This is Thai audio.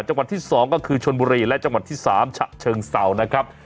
จังหวัดที่๒ก็คือชนบุรีและจังหวัดที่๓ฉะเชิงเศร้านะครับ